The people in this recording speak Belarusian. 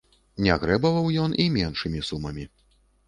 Не грэбаваў ён і меншымі сумамі.